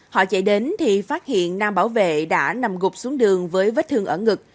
họ chạy đến thì phát hiện nam bảo vệ đã nằm gục xuống đường với vết thương ở ngực